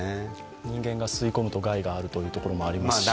人間が吸い込むと害があるというところもありますし。